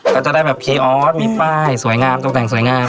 ก็จะได้แบบพีออสมีป้ายสวยงามตกแต่งสวยงาม